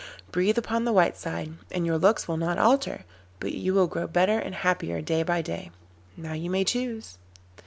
Breathe upon the white side and your looks will not alter, but you will grow better and happier day by day. Now you may choose.